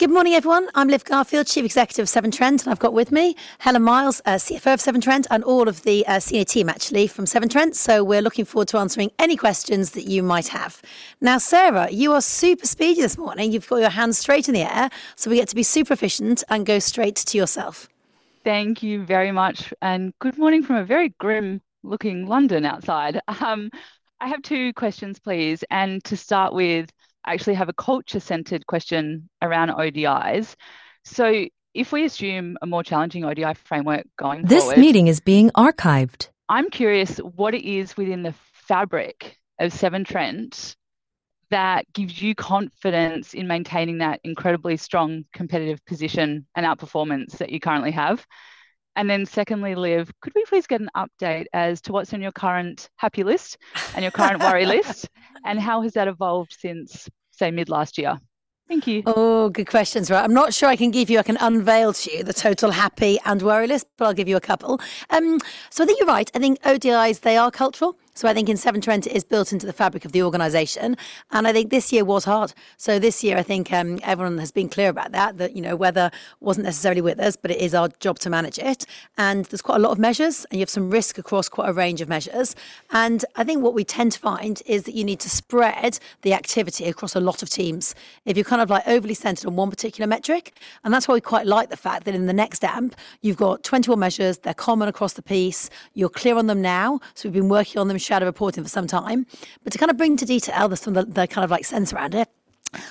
Good morning, everyone. I'm Liv Garfield, Chief Executive of Severn Trent, and I've got with me Helen Miles, CFO of Severn Trent, and all of the senior team, actually, from Severn Trent. So we're looking forward to answering any questions that you might have. Now, Sarah, you are super speedy this morning. You've got your hand straight in the air, so we get to be super efficient and go straight to yourself. Thank you very much, and good morning from a very grim-looking London outside. I have two questions, please, and to start with, I actually have a culture-centered question around ODIs. So if we assume a more challenging ODI framework going forward- This meeting is being archived. I'm curious what it is within the fabric of Severn Trent that gives you confidence in maintaining that incredibly strong competitive position and outperformance that you currently have? And then secondly, Liv, could we please get an update as to what's on your current happy list and your current worry list, and how has that evolved since, say, mid last year? Thank you. Oh, good questions. Right, I'm not sure I can give you, I can unveil to you the total happy and worry list, but I'll give you a couple. So I think you're right, I think ODIs, they are cultural, so I think in Severn Trent it is built into the fabric of the organization, and I think this year was hard. So this year I think, everyone has been clear about that, that, you know, weather wasn't necessarily with us, but it is our job to manage it. And there's quite a lot of measures, and you have some risk across quite a range of measures, and I think what we tend to find is that you need to spread the activity across a lot of teams. If you're kind of, like, overly centered on one particular metric, and that's why we quite like the fact that in the next AMP, you've got 21 measures, they're common across the piece, you're clear on them now, so we've been working on them shadow reporting for some time. But to kind of bring to detail the some of the, the kind of like sense around it,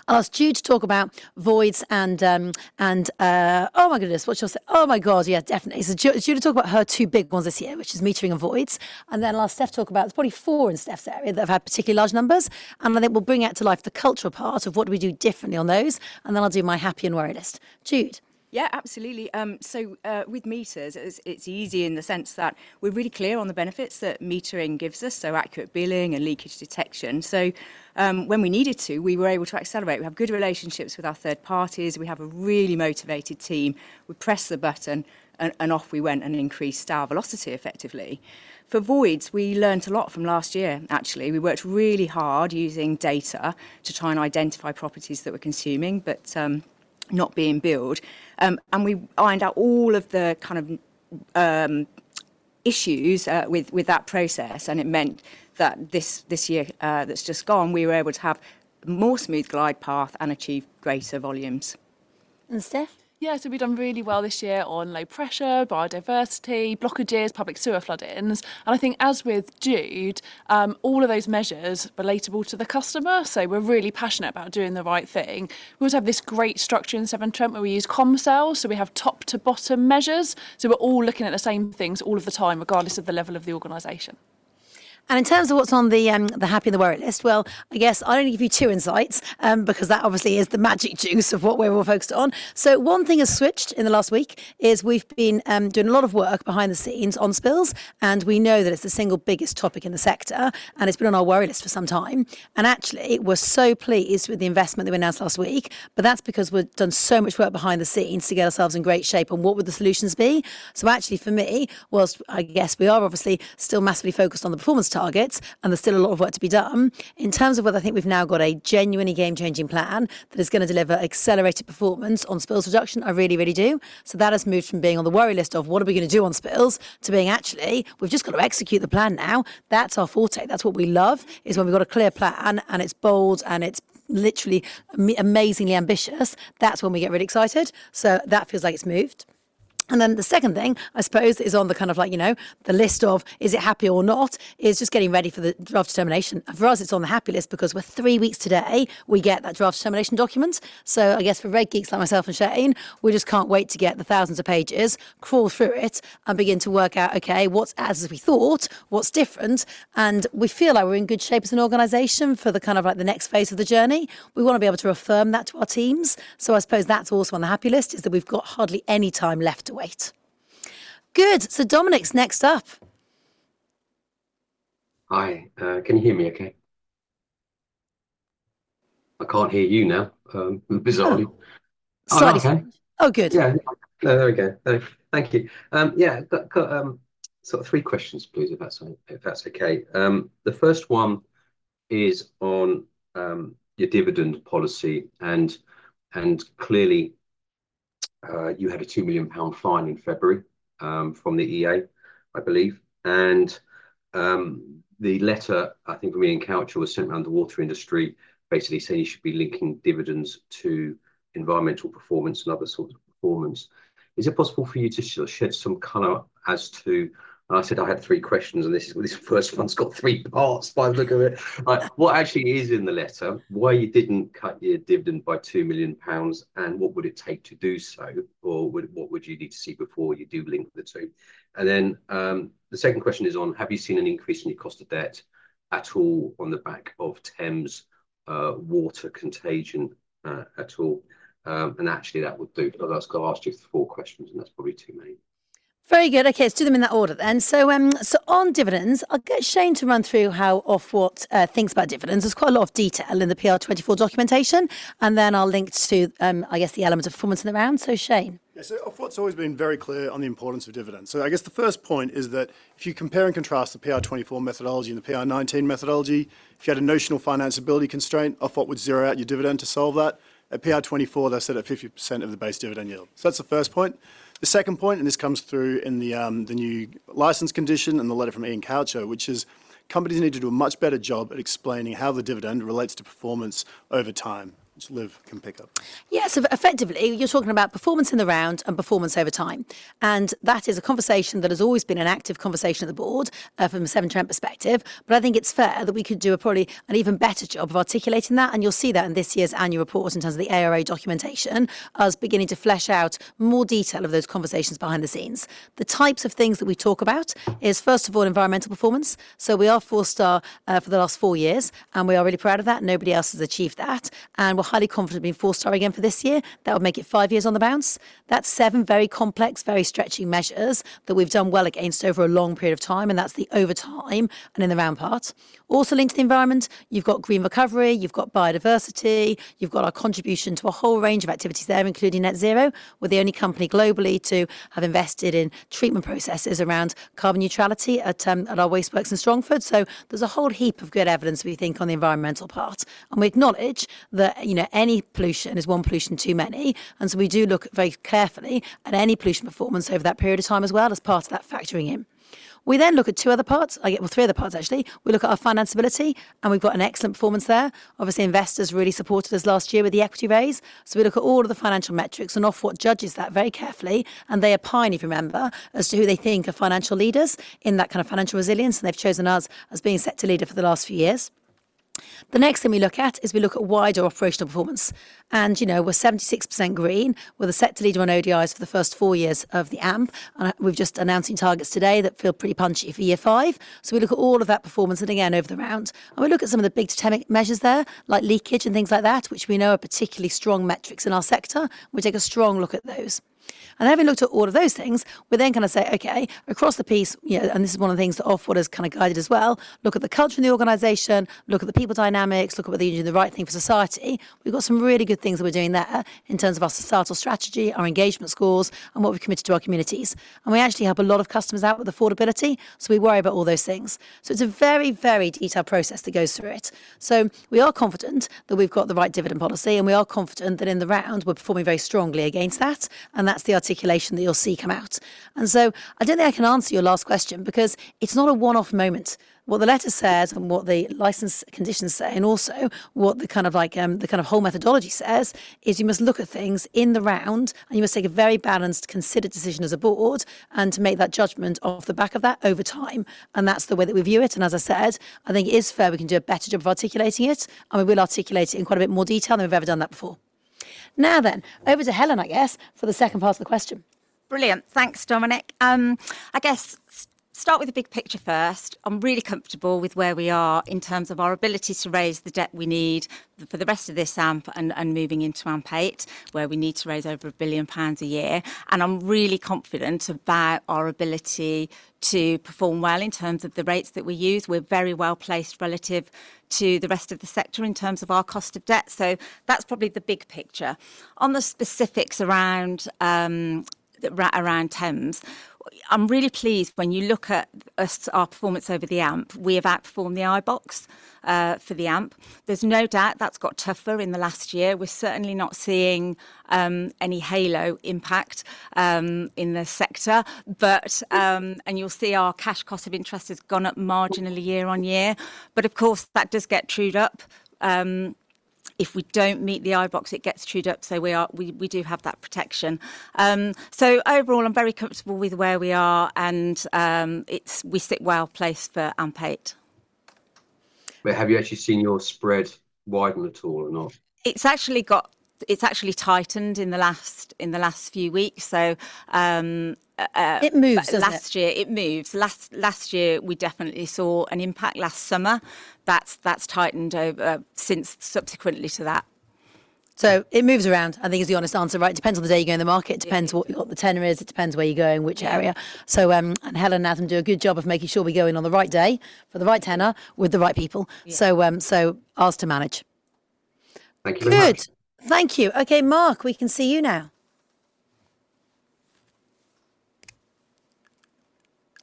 I'll ask Jude to talk about voids and... Oh, my goodness, oh, my God, yeah, definitely. So Jude will talk about her two big ones this year, which is metering and voids, and then I'll ask Steph talk about, there's probably four in Steph's area that have had particularly large numbers, and I think we'll bring out to life the cultural part of what do we do differently on those, and then I'll do my happy and worry list. Jude? Yeah, absolutely. So, with meters, it's easy in the sense that we're really clear on the benefits that metering gives us, so accurate billing and leakage detection. So, when we needed to, we were able to accelerate. We have good relationships with our third parties. We have a really motivated team. We press the button, and off we went and increased our velocity effectively. For voids, we learned a lot from last year, actually. We worked really hard using data to try and identify properties that were consuming, but not being billed. And we ironed out all of the kind of issues with that process, and it meant that this year that's just gone, we were able to have more smooth glide path and achieve greater volumes. And Steph? Yeah, so we've done really well this year on low pressure, biodiversity, blockages, public sewer floodings, and I think as with Jude, all of those measures relatable to the customer, so we're really passionate about doing the right thing. We also have this great structure in Severn Trent, where we use Comm Cells, so we have top to bottom measures, so we're all looking at the same things all of the time, regardless of the level of the organization. In terms of what's on the happy and the worry list, well, I guess I'll only give you two insights, because that obviously is the magic juice of what we're all focused on. One thing has switched in the last week: we've been doing a lot of work behind the scenes on spills, and we know that it's the single biggest topic in the sector, and it's been on our worry list for some time. Actually, we're so pleased with the investment that we announced last week, but that's because we've done so much work behind the scenes to get ourselves in great shape on what the solutions would be. So actually, for me, while I guess we are obviously still massively focused on the performance targets, and there's still a lot of work to be done, in terms of what I think we've now got a genuinely game-changing plan that is gonna deliver accelerated performance on spills reduction, I really, really do. So that has moved from being on the worry list of, what are we gonna do on spills, to being actually, we've just got to execute the plan now. That's our forte. That's what we love, is when we've got a clear plan, and it's bold, and it's literally amazingly ambitious. That's when we get really excited, so that feels like it's moved. And then the second thing, I suppose, is on the kind of like, you know, the list of is it happy or not, is just getting ready for the Draft Determination. For us, it's on the happy list because we're three weeks today, we get that Draft Determination document. So I guess for reg geeks like myself and Shane, we just can't wait to get the thousands of pages, crawl through it, and begin to work out, "Okay, what's as we thought? What's different?" And we feel like we're in good shape as an organization for the kind of, like, the next phase of the journey. We wanna be able to affirm that to our teams, so I suppose that's also on the happy list, is that we've got hardly any time left to wait. Good, so Dominic's next up. Hi. Can you hear me okay? I can't hear you now, bizarrely. Oh. Oh, okay. Sorry. Oh, good. Yeah. Oh, there we go. Oh, thank you. Yeah, got sort of three questions, please, if that's okay. The first one is on your dividend policy, and clearly you had a 2 million pound fine in February from the EA, I believe, and the letter, I think from Iain Coucher, was sent around the water industry, basically saying you should be linking dividends to environmental performance and other sorts of performance. Is it possible for you to shed some color as to... I said I had three questions, and this, this first one's got three parts by the look of it. What actually is in the letter, why you didn't cut your dividend by 2 million pounds, and what would it take to do so, or what would you need to see before you do link the two? And then, the second question is on, have you seen an increase in your cost of debt at all on the back of Thames Water contagion, at all? And actually, that would do, otherwise I've got to ask you four questions, and that's probably too many. Very good. Okay, let's do them in that order then. So, so on dividends, I'll get Shane to run through how Ofwat thinks about dividends. There's quite a lot of detail in the PR24 documentation, and then I'll link to, I guess, the element of performance in the round. So Shane? Yeah, so Ofwat's always been very clear on the importance of dividends. So I guess the first point is that if you compare and contrast the PR24 methodology and the PR19 methodology, if you had a notional financial ability constraint, Ofwat would zero out your dividend to solve that. At PR24, they set it at 50% of the base dividend yield. So that's the first point. The second point, and this comes through in the new license condition and the letter from Iain Coucher, which is-... companies need to do a much better job at explaining how the dividend relates to performance over time, which Liv can pick up. Yes, so effectively, you're talking about performance in the round and performance over time, and that is a conversation that has always been an active conversation at the board from a Severn Trent perspective. But I think it's fair that we could do a probably an even better job of articulating that, and you'll see that in this year's annual report in terms of the ARA documentation, us beginning to flesh out more detail of those conversations behind the scenes. The types of things that we talk about is, first of all, environmental performance. So we are four-star for the last four years, and we are really proud of that. Nobody else has achieved that, and we're highly confident of being four-star again for this year. That will make it five years on the bounce. That's seven very complex, very stretchy measures that we've done well against over a long period of time, and that's the over time and in the round part. Also linked to the environment, you've got Green Recovery, you've got Biodiversity, you've got our contribution to a whole range of activities there, including net zero. We're the only company globally to have invested in treatment processes around carbon neutrality at, at our waste works in Strongford. So there's a whole heap of good evidence, we think, on the environmental part, and we acknowledge that, you know, any pollution is one pollution too many, and so we do look very carefully at any pollution performance over that period of time as well as part of that factoring in. We then look at two other parts, I guess, well, three other parts, actually. We look at our finance ability, and we've got an excellent performance there. Obviously, investors really supported us last year with the equity raise, so we look at all of the financial metrics, and Ofwat judges that very carefully, and they are pioneering, if you remember, as to who they think are financial leaders in that kind of financial resilience, and they've chosen us as being sector leader for the last few years. The next thing we look at is we look at wider operational performance. And, you know, we're 76% green. We're the sector leader on ODIs for the first four years of the AMP, and we've just announcing targets today that feel pretty punchy for year five. So we look at all of that performance, and again, over the round, and we look at some of the big determining measures there, like leakage and things like that, which we know are particularly strong metrics in our sector. We take a strong look at those. And having looked at all of those things, we then kind of say, "Okay, across the piece," you know, and this is one of the things that Ofwat has kind of guided as well, "look at the culture in the organization, look at the people dynamics, look at whether you're doing the right thing for society." We've got some really good things that we're doing there in terms of our societal strategy, our engagement scores, and what we've committed to our communities, and we actually help a lot of customers out with affordability, so we worry about all those things. So it's a very, very detailed process that goes through it. So we are confident that we've got the right dividend policy, and we are confident that in the round, we're performing very strongly against that, and that's the articulation that you'll see come out. And so I don't think I can answer your last question, because it's not a one-off moment. What the letter says and what the license conditions say, and also what the kind of like, the kind of whole methodology says, is you must look at things in the round, and you must take a very balanced, considered decision as a board, and to make that judgment off the back of that over time, and that's the way that we view it. As I said, I think it is fair we can do a better job of articulating it, and we will articulate it in quite a bit more detail than we've ever done that before. Now, then, over to Helen, I guess, for the second part of the question. Brilliant. Thanks, Dominic. I guess start with the big picture first. I'm really comfortable with where we are in terms of our ability to raise the debt we need for the rest of this AMP and moving into AMP8, where we need to raise over 1 billion pounds a year. And I'm really confident about our ability to perform well in terms of the rates that we use. We're very well-placed relative to the rest of the sector in terms of our cost of debt, so that's probably the big picture. On the specifics around around Thames, I'm really pleased when you look at us, our performance over the AMP, we have outperformed the iBoxx for the AMP. There's no doubt that's got tougher in the last year. We're certainly not seeing any halo impact in the sector, but... and you'll see our cash cost of interest has gone up marginally year-on-year. But of course, that does get trued up. If we don't meet the iBoxx, it gets trued up, so we do have that protection. So overall, I'm very comfortable with where we are, and we sit well placed for AMP8. Have you actually seen your spread widen at all or not? It's actually tightened in the last few weeks. So, It moves, doesn't it? Last year, it moves. Last year, we definitely saw an impact last summer. That's tightened over since subsequently to that. It moves around, I think, is the honest answer, right? Depends on the day you go in the market. Yeah. Depends what the tenor is. It depends where you go, in which area. Yeah. So, Helen and Nathan do a good job of making sure we go in on the right day, for the right tenor, with the right people. Yeah. So ours to manage. Thank you very much. Good. Thank you. Okay, Mark, we can see you now.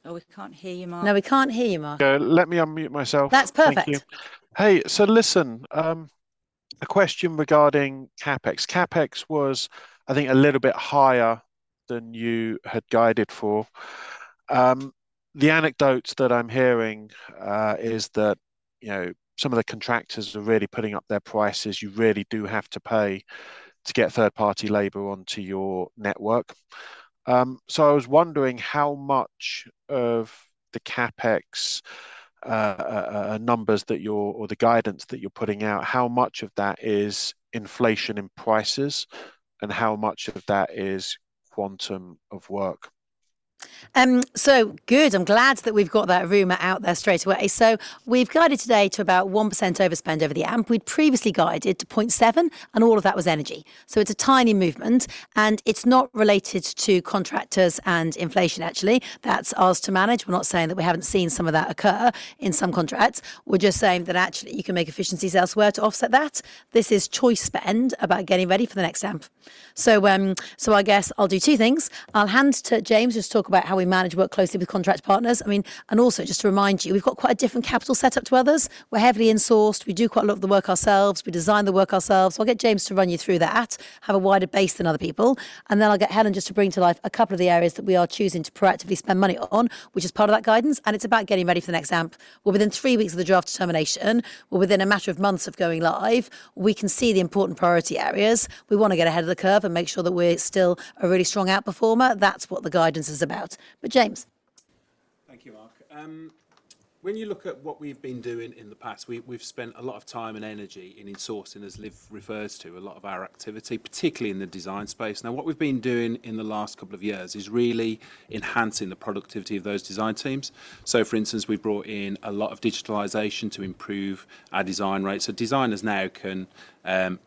Oh, we can't hear you, Mark. No, we can't hear you, Mark. Let me unmute myself. That's perfect. Thank you. Hey, so listen, a question regarding CapEx. CapEx was, I think, a little bit higher than you had guided for. The anecdotes that I'm hearing is that, you know, some of the contractors are really putting up their prices. You really do have to pay to get third-party labor onto your network. So I was wondering how much of the CapEx numbers that you're, or the guidance that you're putting out, how much of that is inflation in prices, and how much of that is quantum of work? So good, I'm glad that we've got that rumor out there straightaway. So we've guided today to about 1% overspend over the AMP. We'd previously guided to 0.7, and all of that was energy. So it's a tiny movement, and it's not related to contractors and inflation, actually. That's ours to manage. We're not saying that we haven't seen some of that occur in some contracts. We're just saying that actually, you can make efficiencies elsewhere to offset that. This is choice spend about getting ready for the next AMP. So, so I guess I'll do two things. I'll hand to James, just talk about how we manage work closely with contract partners. I mean, and also, just to remind you, we've got quite a different capital setup to others. We're heavily in-sourced. We do quite a lot of the work ourselves. We design the work ourselves. So I'll get James to run you through that, have a wider base than other people, and then I'll get Helen just to bring to life a couple of the areas that we are choosing to proactively spend money on, which is part of that guidance, and it's about getting ready for the next AMP. We're within three weeks of the draft determination. We're within a matter of months of going live. We can see the important priority areas. We wanna get ahead of the curve and make sure that we're still a really strong outperformer. That's what the guidance is about. But James? Thank you, Mark. ...When you look at what we've been doing in the past, we, we've spent a lot of time and energy in insourcing, as Liv refers to, a lot of our activity, particularly in the design space. Now, what we've been doing in the last couple of years is really enhancing the productivity of those design teams. So, for instance, we've brought in a lot of digitalization to improve our design rates. So designers now can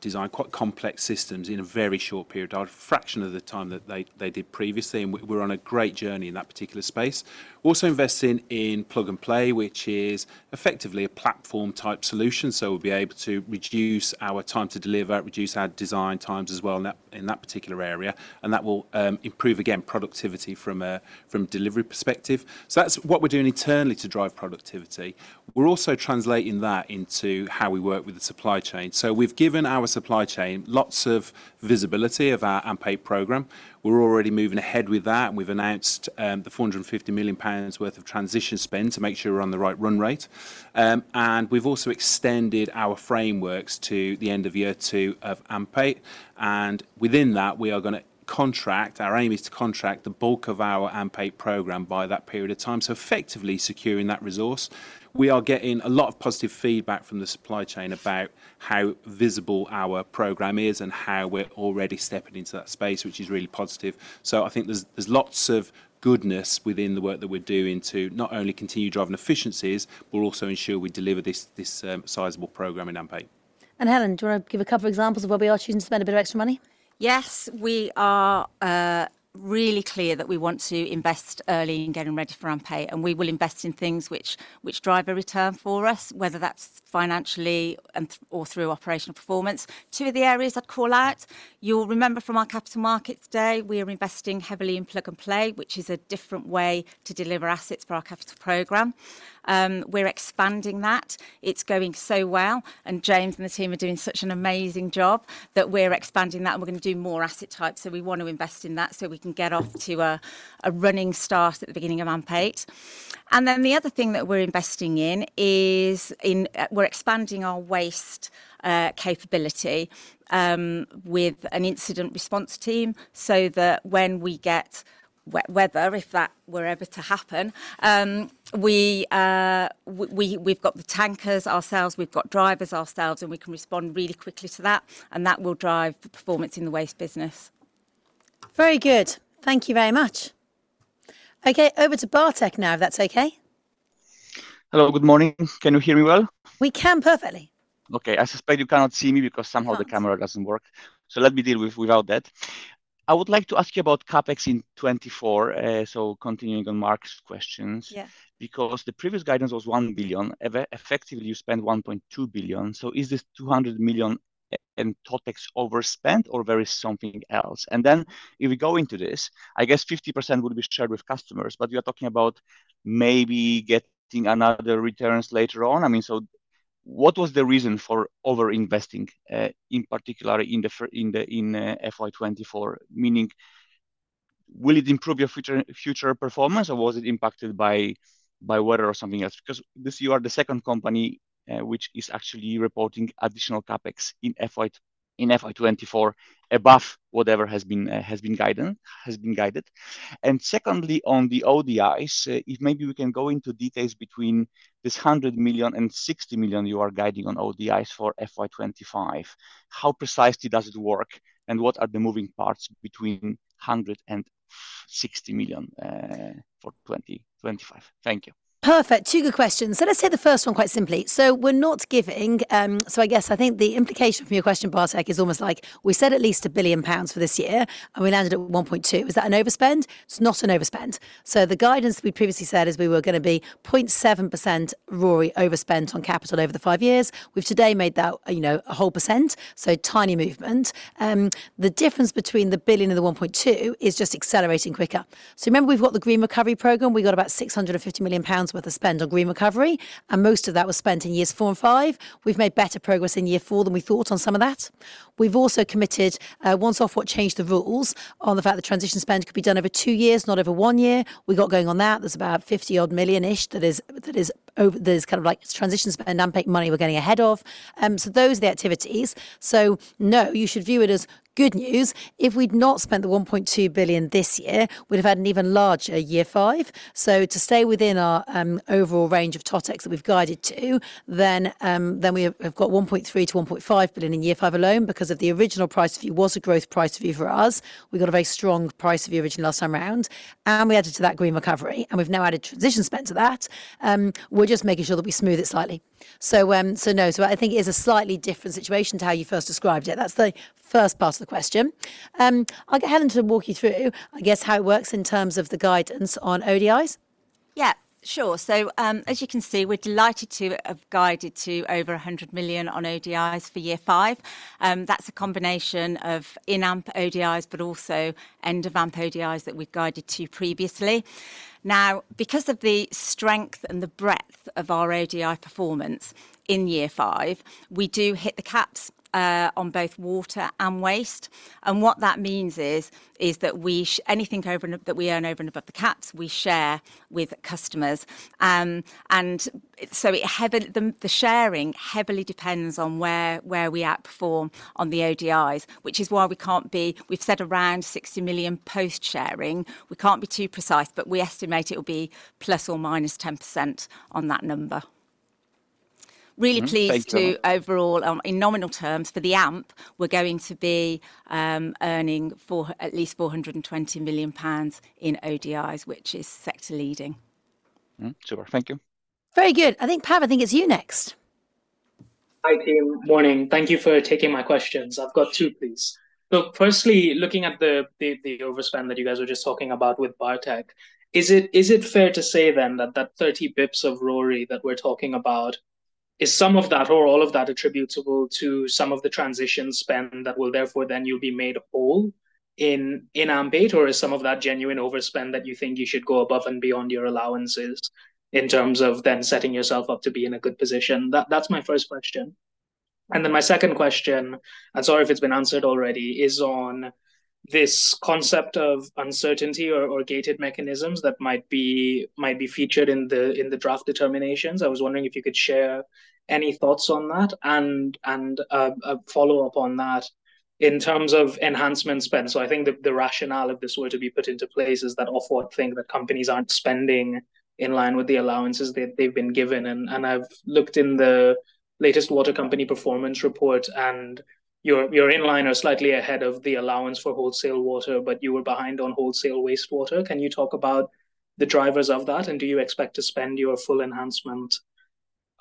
design quite complex systems in a very short period, a fraction of the time that they, they did previously, and we're on a great journey in that particular space. Also investing in Plug and Play, which is effectively a platform-type solution, so we'll be able to reduce our time to deliver, reduce our design times as well in that, in that particular area, and that will improve, again, productivity from a delivery perspective. So that's what we're doing internally to drive productivity. We're also translating that into how we work with the supply chain. So we've given our supply chain lots of visibility of our AMP8 program. We're already moving ahead with that, and we've announced the 450 million pounds worth of Transition Spend to make sure we're on the right run rate. And we've also extended our frameworks to the end of year two of AMP8, and within that, we are gonna contract... Our aim is to contract the bulk of our AMP8 program by that period of time, so effectively securing that resource. We are getting a lot of positive feedback from the supply chain about how visible our program is and how we're already stepping into that space, which is really positive. So I think there's lots of goodness within the work that we're doing to not only continue driving efficiencies, but also ensure we deliver this sizable program in AMP8. Helen, do you want to give a couple of examples of where we are choosing to spend a bit of extra money? Yes, we are really clear that we want to invest early in getting ready for AMP8, and we will invest in things which drive a return for us, whether that's financially and, or through operational performance. Two of the areas I'd call out, you'll remember from our Capital Markets Day, we are investing heavily in Plug and Play, which is a different way to deliver assets for our capital program. We're expanding that. It's going so well, and James and the team are doing such an amazing job, that we're expanding that, and we're gonna do more asset types. So we want to invest in that so we can get off to a running start at the beginning of AMP8. And then the other thing that we're investing in is, in, we're expanding our waste capability with an Incident Response Team, so that when we get weather, if that were ever to happen, we've got the tankers ourselves, we've got drivers ourselves, and we can respond really quickly to that, and that will drive the performance in the waste business. Very good. Thank you very much. Okay, over to Bartek now, if that's okay? Hello, good morning. Can you hear me well? We can perfectly. Okay, I suspect you cannot see me, because somehow the camera doesn't work. So let me deal with without that. I would like to ask you about CapEx in 2024, so continuing on Mark's questions. Yes. Because the previous guidance was 1 billion, effectively, you spent 1.2 billion. So is this 200 million in TotEx overspend, or there is something else? And then if we go into this, I guess 50% would be shared with customers, but you're talking about maybe getting another returns later on. I mean, so what was the reason for overinvesting in particular in FY 2024? Meaning, will it improve your future, future performance, or was it impacted by, by weather or something else? Because this, you are the second company which is actually reporting additional CapEx in FY 2024, above whatever has been guided. Secondly, on the ODIs, if maybe we can go into details between this 100 million and 60 million you are guiding on ODIs for FY 2025. How precisely does it work, and what are the moving parts between 100 million and 60 million for 2025? Thank you. Perfect. Two good questions. So let's hit the first one quite simply. So we're not giving... So I guess I think the implication from your question, Bartek, is almost like we said at least 1 billion pounds for this year, and we landed at 1.2. Is that an overspend? It's not an overspend. So the guidance we previously said is we were gonna be 0.7% RoRE overspent on capital over the five years. We've today made that, you know, a whole 1%, so tiny movement. The difference between the billion and the 1.2 is just accelerating quicker. So remember, we've got the Green Recovery Program. We got about 650 million pounds worth of spend on green recovery, and most of that was spent in years four and five. We've made better progress in year four than we thought on some of that. We've also committed, once Ofwat changed the rules on the fact that transition spend could be done over two years, not over one year. We got going on that. There's about 50 odd million-ish that is, that is over—there's kind of like transition spend, AMP8 money we're getting ahead of. So those are the activities. So no, you should view it as good news. If we'd not spent the 1.2 billion this year, we'd have had an even larger year five. So to stay within our, overall range of TotEx that we've guided to, then we have got 1.3-1.5 billion in year five alone, because of the original price view was a growth price view for us. We got a very strong price view originally last time around, and we added to that Green Recovery, and we've now added Transition Spend to that. We're just making sure that we smooth it slightly. So, so no, so I think it is a slightly different situation to how you first described it. That's the first part of the question. I'll get Helen to walk you through, I guess, how it works in terms of the guidance on ODIs. Yeah, sure. So, as you can see, we're delighted to have guided to over 100 million on ODIs for year five. That's a combination of in AMP ODIs, but also end of AMP ODIs that we've guided to previously. Now, because of the strength and the breadth of our ODI performance in year five, we do hit the caps on both water and waste. And what that means is that we share anything over and above the caps with customers. And so the sharing heavily depends on where we outperform on the ODIs, which is why we can't be... We've said around 60 million post-sharing. We can't be too precise, but we estimate it will be ±10% on that number. ... Really pleased overall, in nominal terms for the AMP, we're going to be earning for at least 420 million pounds in ODIs, which is sector leading. Mm, super. Thank you. Very good. I think, Pav, I think it's you next. Hi, team. Morning. Thank you for taking my questions. I've got two, please. So firstly, looking at the overspend that you guys were just talking about with biotech, is it fair to say then that that 30 basis points of RoRE that we're talking about, is some of that or all of that attributable to some of the transition spend that will therefore then you'll be made whole in AMP8? Or is some of that genuine overspend that you think you should go above and beyond your allowances in terms of then setting yourself up to be in a good position? That's my first question. And then my second question, and sorry if it's been answered already, is on this concept of uncertainty or gated mechanisms that might be featured in the draft determinations. I was wondering if you could share any thoughts on that, and a follow-up on that in terms of enhancement spend. So I think the rationale if this were to be put into place is that Ofwat think that companies aren't spending in line with the allowances they've been given, and I've looked in the latest water company performance report, and you're in line or slightly ahead of the allowance for wholesale water, but you were behind on wholesale wastewater. Can you talk about the drivers of that, and do you expect to spend your full enhancement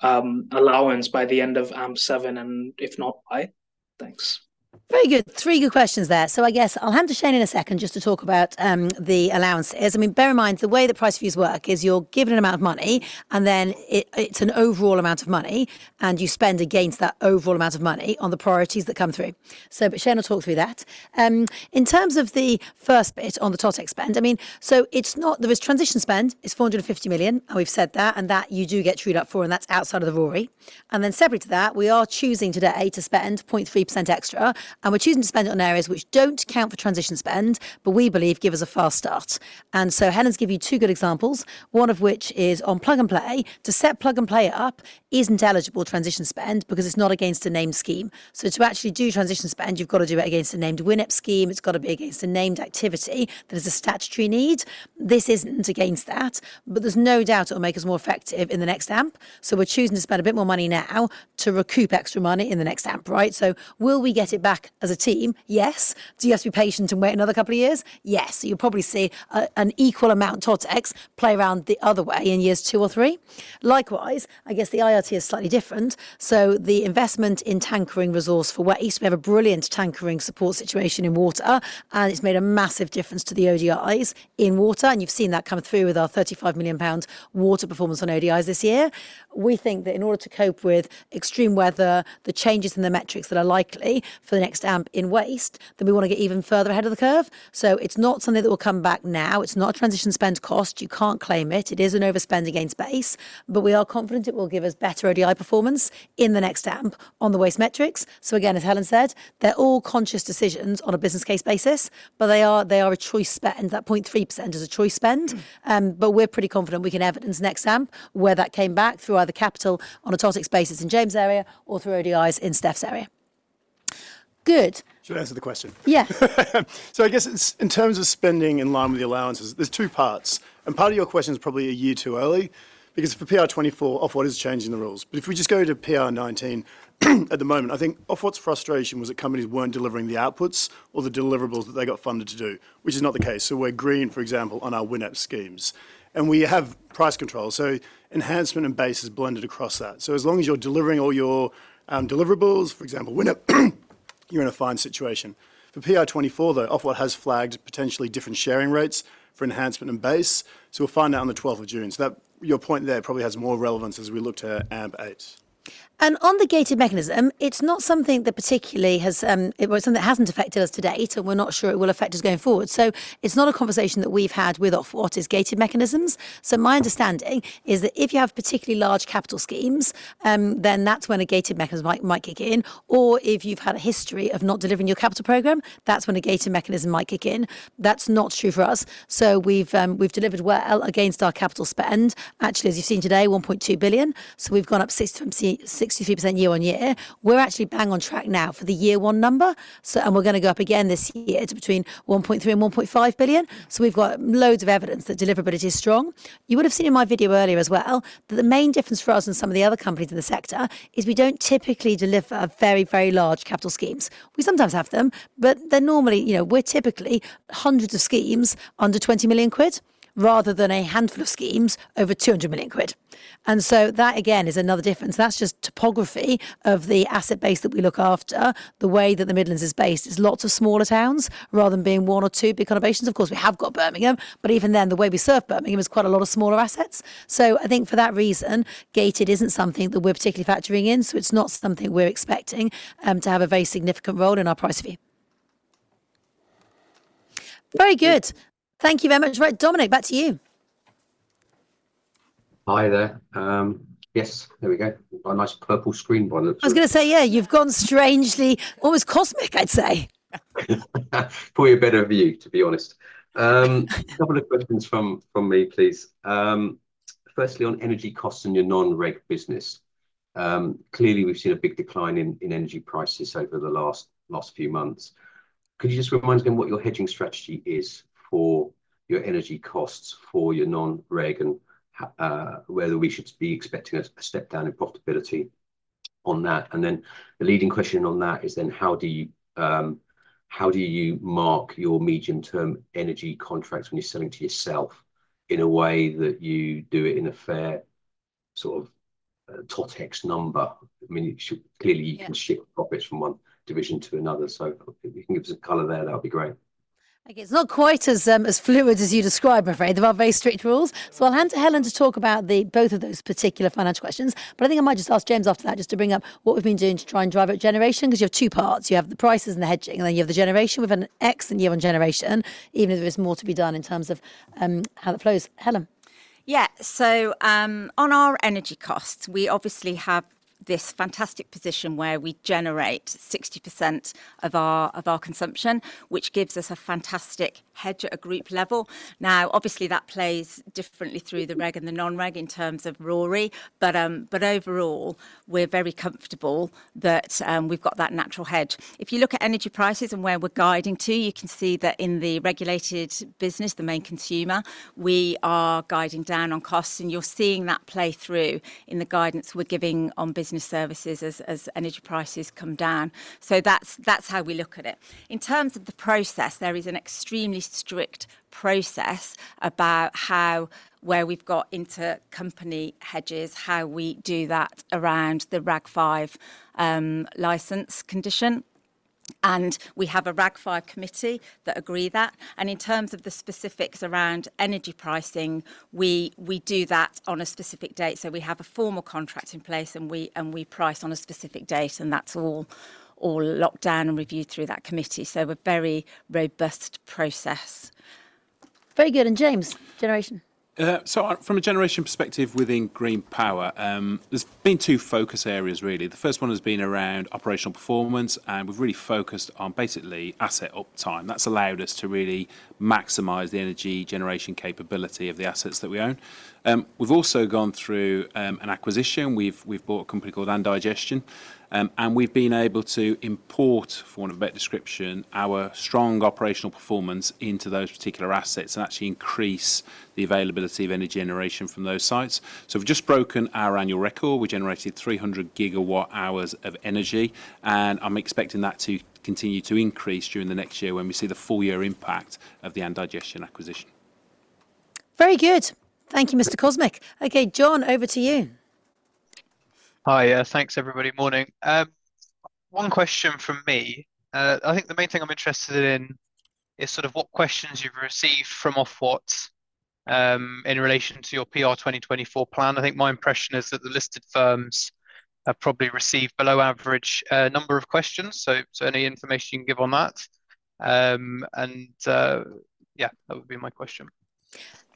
allowance by the end of AMP7, and if not, why? Thanks. Very good. Three good questions there. So I guess I'll hand to Shane in a second just to talk about, the allowances. I mean, bear in mind, the way the price reviews work is you're given an amount of money, and then it, it's an overall amount of money, and you spend against that overall amount of money on the priorities that come through. So but Shane will talk through that. In terms of the first bit on the TotEx spend, I mean, so it's not... There is transition spend, it's 450 million, and we've said that, and that you do get treated up for, and that's outside of the RoRE. And then separately to that, we are choosing today to spend 0.3% extra, and we're choosing to spend it on areas which don't count for Transition Spend, but we believe give us a fast start. And so Helen's given you two good examples, one of which is on Plug and Play. To set Plug and Play up isn't eligible Transition Spend because it's not against a named scheme. So to actually do Transition Spend, you've got to do it against a named WINEP scheme. It's got to be against a named activity that is a statutory need. This isn't against that, but there's no doubt it'll make us more effective in the next AMP. So we're choosing to spend a bit more money now to recoup extra money in the next AMP, right? So will we get it back as a team? Yes. Do you have to be patient and wait another couple of years? Yes. You'll probably see a, an equal amount TotEx play around the other way in years two or three. Likewise, I guess the IRT is slightly different. So the investment in tankering resource for Waste East, we have a brilliant tankering support situation in water, and it's made a massive difference to the ODIs in water, and you've seen that come through with our 35 million pounds water performance on ODIs this year. We think that in order to cope with extreme weather, the changes in the metrics that are likely for the next AMP in waste, that we want to get even further ahead of the curve. So it's not something that will come back now. It's not a transition spend cost. You can't claim it. It is an overspend against base, but we are confident it will give us better ODI performance in the next AMP on the waste metrics. So again, as Helen said, they're all conscious decisions on a business case basis, but they are a choice spend. That 0.3% is a choice spend, but we're pretty confident we can evidence next AMP, where that came back through either capital on a TotEx basis in James' area or through ODIs in Steph's area. Good. Should I answer the question? Yeah. So I guess in terms of spending in line with the allowances, there's two parts, and part of your question is probably a year too early, because for PR24, Ofwat is changing the rules. But if we just go to PR19, at the moment, I think Ofwat's frustration was that companies weren't delivering the outputs or the deliverables that they got funded to do, which is not the case. So we're green, for example, on our WINEP schemes. And we have price controls, so enhancement and base is blended across that. So as long as you're delivering all your deliverables, for example, WINEP, you're in a fine situation. For PR24, though, Ofwat has flagged potentially different sharing rates for enhancement and base, so we'll find out on the twelfth of June. So that, your point there probably has more relevance as we look to AMP8. On the gated mechanism, it's not something that particularly has. It was something that hasn't affected us to date, and we're not sure it will affect us going forward. It's not a conversation that we've had with Ofwat, is gated mechanisms. My understanding is that if you have particularly large capital schemes, then that's when a gated mechanism might kick in, or if you've had a history of not delivering your capital program, that's when a gated mechanism might kick in. That's not true for us. We've delivered well against our capital spend. Actually, as you've seen today, 1.2 billion, so we've gone up 63% year-on-year. We're actually bang on track now for the year one number, so and we're going to go up again this year to between 1.3 billion and 1.5 billion. So we've got loads of evidence that deliverability is strong. You would have seen in my video earlier as well, that the main difference for us and some of the other companies in the sector is we don't typically deliver very, very large capital schemes. We sometimes have them, but they're normally, you know, we're typically hundreds of schemes under 20 million quid, rather than a handful of schemes over 200 million quid. And so that, again, is another difference. That's just topography of the asset base that we look after. The way that the Midlands is based, is lots of smaller towns, rather than being one or two big conurbations. Of course, we have got Birmingham, but even then, the way we serve Birmingham is quite a lot of smaller assets. So I think for that reason, gated isn't something that we're particularly factoring in, so it's not something we're expecting to have a very significant role in our price view. Very good. Thank you very much. Right, Dominic, back to you. Hi there. Yes, there we go. A nice purple screen by the look of it. I was going to say, yeah, you've gone strangely... almost cosmic, I'd say. Probably a better view, to be honest. Couple of questions from me, please. Firstly, on energy costs and your non-reg business. Clearly, we've seen a big decline in energy prices over the last few months. Could you just remind again what your hedging strategy is for your energy costs, for your non-reg, whether we should be expecting a step down in profitability on that? And then the leading question on that is then how do you, how do you mark your medium-term energy contracts when you're selling to yourself in a way that you do it in a fair, sort of, TotEx number? I mean, you should- Yeah. Clearly you can shift profits from one division to another, so if you can give us a color there, that would be great. Okay, it's not quite as, as fluid as you describe, I'm afraid. There are very strict rules. So I'll hand to Helen to talk about the both of those particular financial questions, but I think I might just ask James after that, just to bring up what we've been doing to try and drive up generation. Because you have two parts: you have the prices and the hedging, and then you have the generation. We've had an excellent year on generation, even if there is more to be done in terms of, how that flows. Helen? Yeah, so, on our energy costs, we obviously have this fantastic position where we generate 60% of our, of our consumption, which gives us a fantastic hedge at a group level. Now, obviously, that plays differently through the reg and the non-reg in terms of RoRE, but, but overall, we're very comfortable that, we've got that natural hedge. If you look at energy prices and where we're guiding to, you can see that in the regulated business, the main consumer, we are guiding down on costs, and you're seeing that play through in the guidance we're giving on business services as energy prices come down. So that's how we look at it. In terms of the process, there is an extremely strict process about how where we've got intercompany hedges, how we do that around the RAG 5, license condition, and we have a RAG 5 committee that agree that. And in terms of the specifics around energy pricing, we, we do that on a specific date. So we have a formal contract in place, and we, and we price on a specific date, and that's all, all locked down and reviewed through that committee, so a very robust process. Very good, and James, generation. So from a generation perspective within green power, there's been two focus areas, really. The first one has been around operational performance, and we've really focused on basically asset uptime. That's allowed us to really maximize the energy generation capability of the assets that we own. We've also gone through an acquisition. We've bought a company called Andigestion, and we've been able to import, for want of a better description, our strong operational performance into those particular assets and actually increase the availability of energy generation from those sites. So we've just broken our annual record. We generated 300 GWh of energy, and I'm expecting that to continue to increase during the next year when we see the full year impact of the Andigestion acquisition. Very good. Thank you, Mr. Cosmic. Okay, John, over to you. Hi, thanks, everybody. Morning. One question from me. I think the main thing I'm interested in is sort of what questions you've received from Ofwat, in relation to your PR 2024 plan. I think my impression is that the listed firms have probably received below average, number of questions, so any information you can give on that, and, yeah, that would be my question.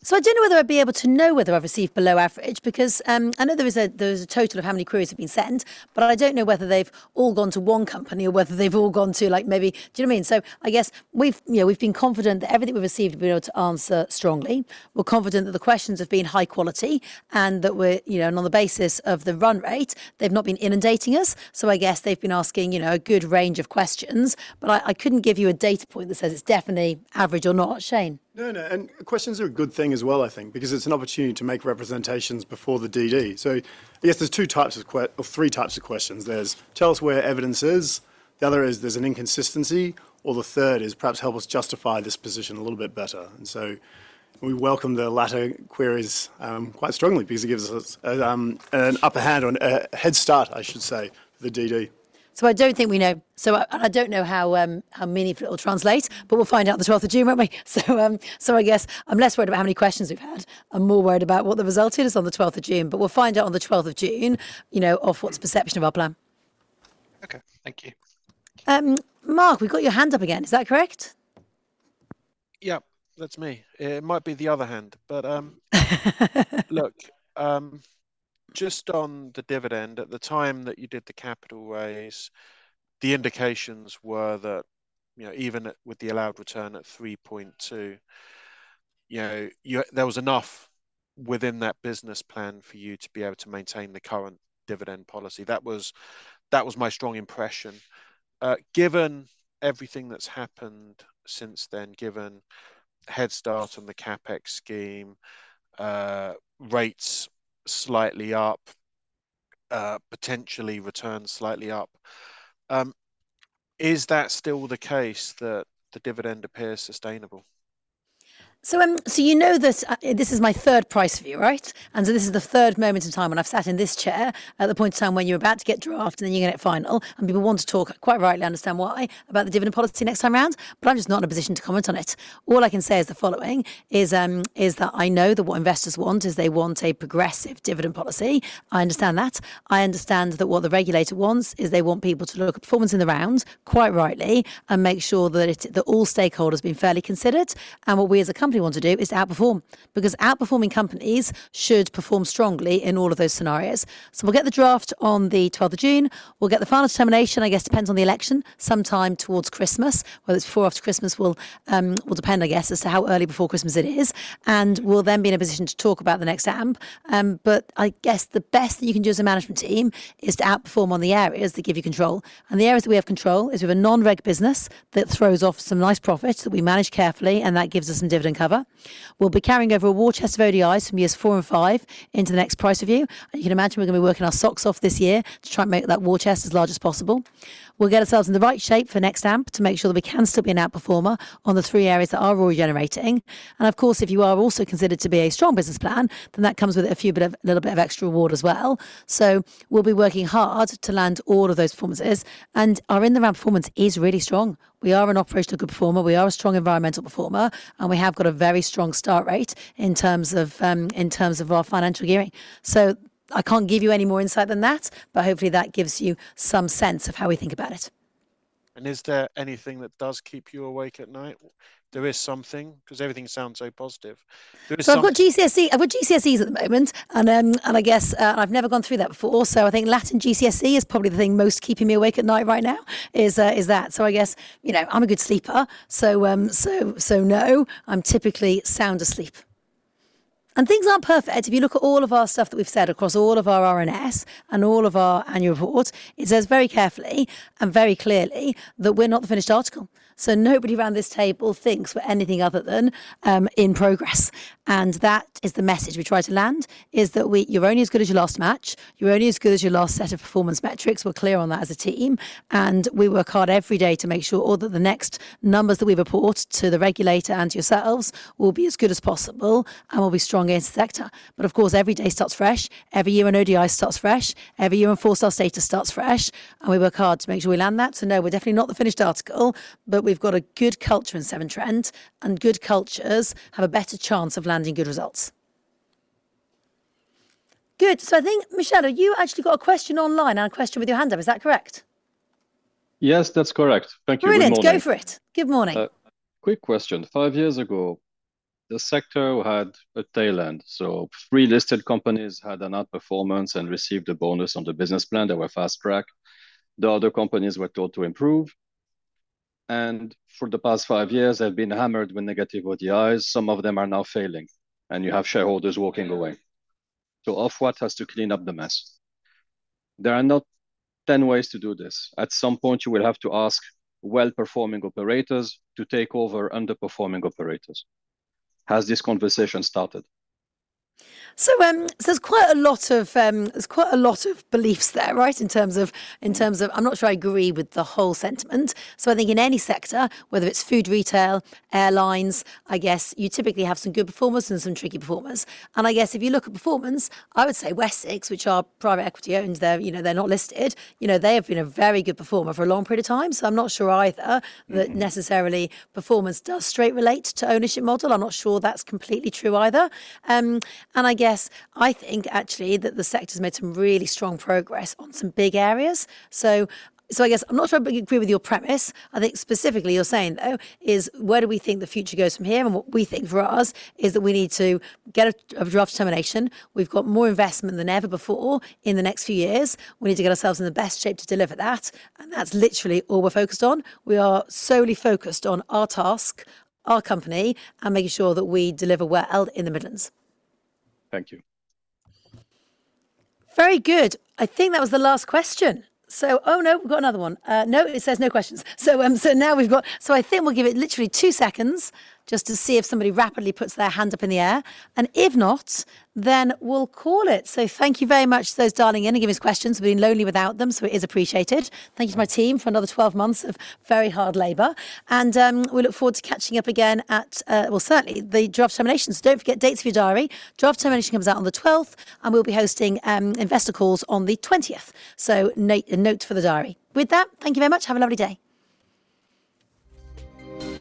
So I don't know whether I'd be able to know whether I've received below average, because I know there is a total of how many queries have been sent, but I don't know whether they've all gone to one company or whether they've all gone to, like, maybe... Do you know what I mean? So I guess we've, you know, we've been confident that everything we've received, we've been able to answer strongly. We're confident that the questions have been high quality and that we're... You know, and on the basis of the run rate, they've not been inundating us, so I guess they've been asking, you know, a good range of questions. But I couldn't give you a data point that says it's definitely average or not. Shane? No, no, and questions are a good thing as well, I think, because it's an opportunity to make representations before the DD. So I guess there's two types of or three types of questions. There's tell us where evidence is, the other is there's an inconsistency, or the third is perhaps help us justify this position a little bit better. And so we welcome the latter queries, quite strongly, because it gives us, an upper hand on a head start, I should say, the DD. So I don't think we know. So I, I don't know how, how meaningful it will translate, but we'll find out the June 12th, won't we? So, so I guess I'm less worried about how many questions we've had. I'm more worried about what the result is on the June 12th, but we'll find out on the twelfth of June, you know, Ofwat's perception of our plan. Okay. Thank you. Mark, we've got your hand up again. Is that correct? Yep, that's me. It might be the other hand, but, Look, just on the dividend, at the time that you did the capital raise, the indications were that, you know, even at, with the allowed return at 3.2, you know, you, there was enough within that business plan for you to be able to maintain the current dividend policy. That was, that was my strong impression. Given everything that's happened since then, given head start on the CapEx scheme, rates slightly up, potentially returns slightly up, is that still the case that the dividend appears sustainable? So, so you know this, this is my third price review, right? And so this is the third moment in time when I've sat in this chair at the point in time when you're about to get draft, and then you get it final, and people want to talk, quite rightly understand why, about the dividend policy next time around, but I'm just not in a position to comment on it. All I can say is the following: is, is that I know that what investors want is they want a progressive dividend policy. I understand that. I understand that what the regulator wants is they want people to look at performance in the round, quite rightly, and make sure that it, that all stakeholders are being fairly considered. What we as a company want to do is to outperform, because outperforming companies should perform strongly in all of those scenarios. So we'll get the draft on the twelfth of June. We'll get the final determination, I guess, depends on the election, sometime towards Christmas. Whether it's before or after Christmas will, will depend, I guess, as to how early before Christmas it is, and we'll then be in a position to talk about the next AMP. But I guess the best that you can do as a management team is to outperform on the areas that give you control, and the areas that we have control is with a non-reg business that throws off some nice profits, that we manage carefully, and that gives us some dividend cover. We'll be carrying over a war chest of ODIs from years four and five into the next price review. You can imagine we're going to be working our socks off this year to try and make that war chest as large as possible. We'll get ourselves in the right shape for next AMP to make sure that we can still be an outperformer on the 3 areas that are all generating. Of course, if you are also considered to be a strong business plan, then that comes with a few bits of, a little bit of extra reward as well. We'll be working hard to land all of those performances, and our in-the-round performance is really strong. We are an operationally good performer, we are a strong environmental performer, and we have got a very strong start rate in terms of our financial gearing. I can't give you any more insight than that, but hopefully that gives you some sense of how we think about it.... And is there anything that does keep you awake at night? There is something, 'cause everything sounds so positive. There is some- So I've got GCSE, I've got GCSEs at the moment, and, and I guess, I've never gone through that before. So I think Latin GCSE is probably the thing most keeping me awake at night right now, is that. So I guess, you know, I'm a good sleeper, so, so no, I'm typically sound asleep. And things aren't perfect. If you look at all of our stuff that we've said across all of our RNS and all of our annual reports, it says very carefully and very clearly that we're not the finished article. So nobody around this table thinks we're anything other than, in progress. And that is the message we try to land, is that we- you're only as good as your last match. You're only as good as your last set of performance metrics. We're clear on that as a team, and we work hard every day to make sure all of the next numbers that we report to the regulator and to yourselves will be as good as possible and will be strong in the sector. But, of course, every day starts fresh. Every year an ODI starts fresh. Every year a four-star status starts fresh, and we work hard to make sure we land that. So no, we're definitely not the finished article, but we've got a good culture in Severn Trent, and good cultures have a better chance of landing good results. Good. So I think, Michel, are you actually got a question online and a question with your hand up, is that correct? Yes, that's correct. Thank you very much. Brilliant! Go for it. Good morning. Quick question. Five years ago, the sector had a tail end, so three listed companies had an outperformance and received a bonus on the business plan. They were fast-track. The other companies were told to improve, and for the past five years, they've been hammered with negative ODIs. Some of them are now failing, and you have shareholders walking away. Ofwat has to clean up the mess. There are not 10 ways to do this. At some point, you will have to ask well-performing operators to take over underperforming operators. Has this conversation started? So, there's quite a lot of beliefs there, right? In terms of... I'm not sure I agree with the whole sentiment. So I think in any sector, whether it's food, retail, airlines, I guess you typically have some good performers and some tricky performers. And I guess if you look at performance, I would say Wessex, which are private equity-owned, they're, you know, they're not listed. You know, they have been a very good performer for a long period of time. So I'm not sure either- Mm-hmm... that necessarily performance does straight relate to ownership model. I'm not sure that's completely true either. I guess I think, actually, that the sector's made some really strong progress on some big areas. So, I guess I'm not sure I agree with your premise. I think specifically you're saying, though, is where do we think the future goes from here? And what we think for us, is that we need to get a Draft Determination. We've got more investment than ever before in the next few years. We need to get ourselves in the best shape to deliver that, and that's literally all we're focused on. We are solely focused on our task, our company, and making sure that we deliver well in the Midlands. Thank you. Very good. I think that was the last question. So... Oh, no, we've got another one. No, it says no questions. So, so now I think we'll give it literally two seconds just to see if somebody rapidly puts their hand up in the air, and if not, then we'll call it. So thank you very much to those dialing in and giving us questions. We've been lonely without them, so it is appreciated. Thank you to my team for another 12 months of very hard labor. And, we look forward to catching up again at, well, certainly, the draft determinations. Don't forget, date's in your diary. Draft determination comes out on the twelfth, and we'll be hosting, investor calls on the twentieth. So note for the diary. With that, thank you very much. Have a lovely day.